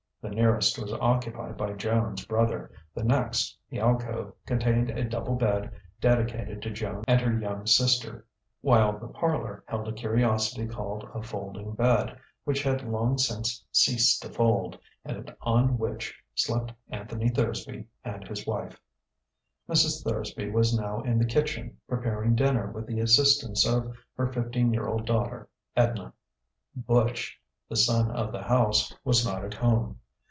The nearest was occupied by Joan's brother; the next, the alcove, contained a double bed dedicated to Joan and her young sister; while the parlour held a curiosity called a folding bed, which had long since ceased to fold, and on which slept Anthony Thursby and his wife. Mrs. Thursby was now in the kitchen, preparing dinner with the assistance of her fifteen year old daughter, Edna. "Butch," the son of the house, was not at home.